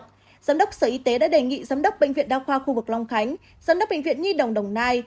giám đốc sở y tế đã đề nghị giám đốc bệnh viện đa khoa khu vực long khánh giám đốc bệnh viện nhi đồng đồng nai